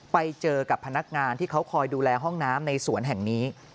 ไปเจอกับพนักงานที่เขาคอยดูแลห้องน้ำในสวนแห่งนี้